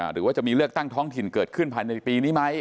หรือว่าจะมีเลือกตั้งท้องถิ่นเกิดขึ้นภายในปีนี้ไหม